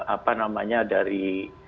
apa namanya dari